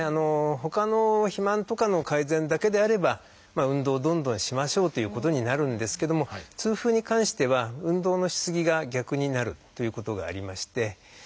ほかの肥満とかの改善だけであれば運動をどんどんしましょうということになるんですけども痛風に関しては運動のしすぎが逆になるということがありまして。